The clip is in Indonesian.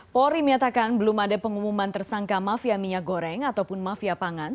polri menyatakan belum ada pengumuman tersangka mafia minyak goreng ataupun mafia pangan